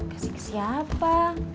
kasih ke siapa